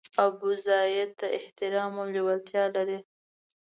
ابوزید ته احترام او لېوالتیا لري.